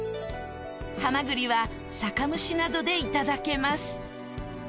蛤は酒蒸しなどでいただけます。